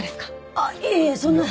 あっいえいえそんな！